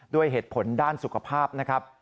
ด้วยเหตุผลด้านสุขภาพนะครับ